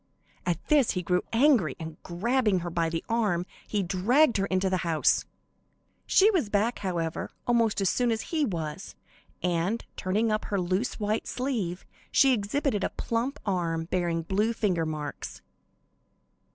At this, he grew angry, and, grabbing her by the arm, he dragged her into the house. She was back, however, almost as soon as he was, and turning up her loose white sleeve, she exhibited a plump arm bearing blue finger marks.